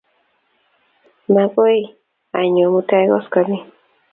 Makoy anyo mutai koskoling'